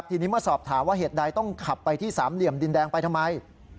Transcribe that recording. ทีนี้เมื่อสอบถามว่าเหตุใดต้องขับไปที่สามเหลี่ยมดินแดงไปทำไม